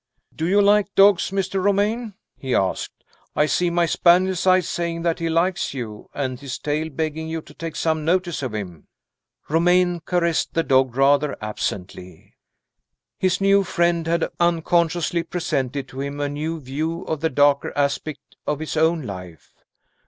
"Do you like dogs, Mr. Romayne?" he asked. "I see my spaniel's eyes saying that he likes you, and his tail begging you to take some notice of him." Romayne caressed the dog rather absently. His new friend had unconsciously presented to him a new view of the darker aspect of his own life.